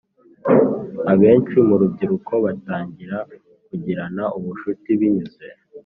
Abenshi Mu Rubyiruko Batangira Kugirana Ubucuti Binyuze